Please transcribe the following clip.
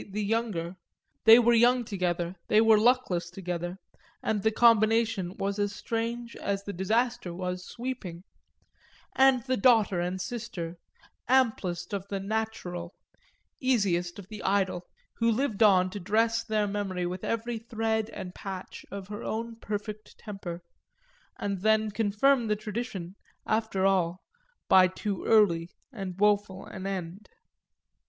the younger they were young together, they were luckless together, and the combination was as strange as the disaster was sweeping; and the daughter and sister, amplest of the "natural," easiest of the idle, who lived on to dress their memory with every thread and patch of her own perfect temper and then confirm the tradition, after all, by too early and woeful an end.